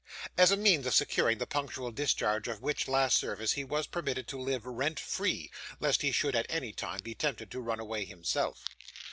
As a means of securing the punctual discharge of which last service he was permitted to live rent free, lest he should at any time be tempted to run away himself.